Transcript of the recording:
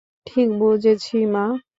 ঠিক বুঝেছি মা।